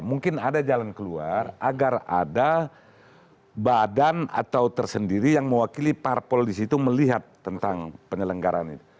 mungkin ada jalan keluar agar ada badan atau tersendiri yang mewakili parpol disitu melihat tentang penyelenggaran itu